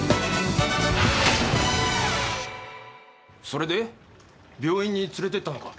それで病院に連れてったのか？